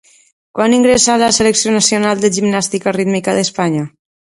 Quan ingressà a la selecció nacional de gimnàstica rítmica d'Espanya?